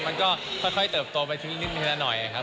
มันก็ค่อยเติบโตไปทิ้งนิดหน่อยนะครับ